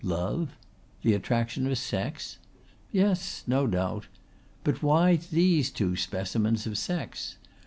Love? The attraction of Sex? Yes, no doubt. But why these two specimens of Sex?